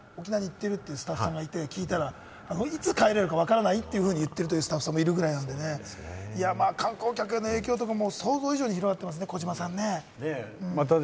沖縄に行っているというスタッフさんがいて聞いたら、いつ帰れるかわからないと言っているというスタッフさんもいるくらいなんでね、観光客の影響とかも想像以上に広がっていますね、児嶋さん。